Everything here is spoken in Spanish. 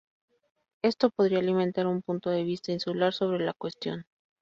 Esto podría alimentar un punto de vista insular sobre la cuestión.